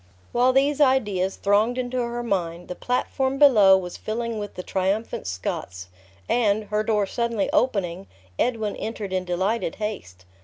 While these ideas thronged into her mind, the platform below was filling with the triumphant Scots; and, her door suddenly opening, Edwin entered in delighted haste.